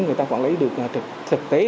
người ta quản lý được thực tế